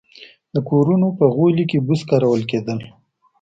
د کورونو په غولي کې بوس کارول کېدل